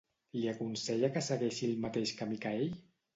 Li aconsella que segueixi el mateix camí que ell?